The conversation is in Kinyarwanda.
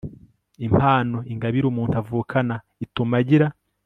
impano ingabire umuntu avukana ituma agira